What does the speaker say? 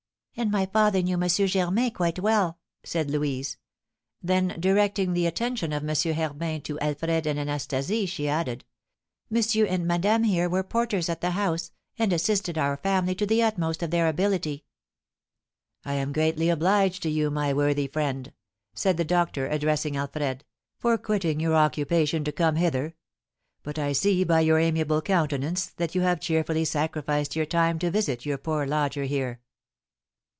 "And my father knew M. Germain quite well," said Louise; then directing the attention of M. Herbin to Alfred and Anastasie, she added, "Monsieur and madame here were porters at the house, and assisted our family to the utmost of their ability." "I am greatly obliged to you, my worthy friend," said the doctor, addressing Alfred, "for quitting your occupation to come hither; but I see by your amiable countenance that you have cheerfully sacrificed your time to visit your poor lodger here."